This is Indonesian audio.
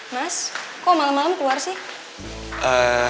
mas kok malam malam keluar sih